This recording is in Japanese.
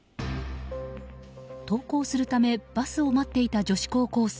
登校するためバスを待っていた女子高校生。